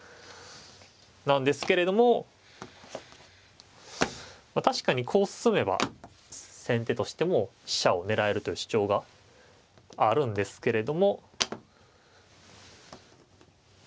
なんですけれども確かにこう進めば先手としても飛車を狙えるという主張があるんですけれども。